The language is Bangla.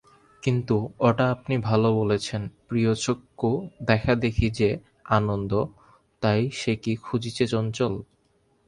কিন্তু ওটা আপনি বেশ বলেছেন– প্রিয়চক্ষু-দেখাদেখি যে আনন্দ তাই সে কি খুঁজিছে চঞ্চল?